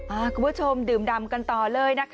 แล้วก็คุณผู้ชมดื่มดำกันต่อเลย